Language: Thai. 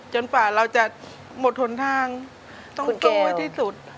จนฝ่าเราจะหมดทนทางต้องสู้ให้ที่สุด